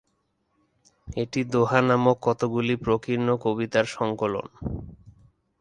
এটি ‘দোহা’ নামক কতগুলি প্রকীর্ণ কবিতার সংকলন।